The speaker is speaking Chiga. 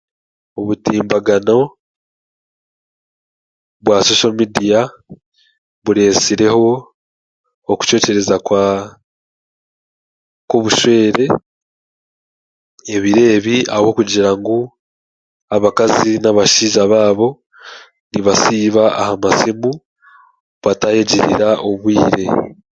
Obutimbagano bwa soso midiya bureesireho okucwecereza kwa kw'obushwere ebiro ebi ahabwokugira ngu abakazi n'abashaija baabo nibasiiba aha masimu batayegirira obwire.